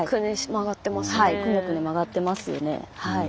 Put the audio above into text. くねくね曲がってますよね。